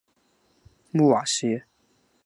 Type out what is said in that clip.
穆瓦西。